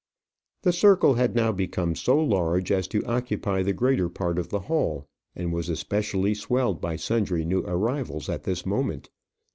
The circle had now become so large as to occupy the greater part of the hall, and was especially swelled by sundry new arrivals at this moment.